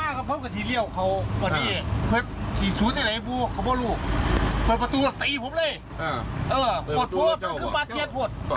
นี่จอดที่ไฟแดงนี้ปะ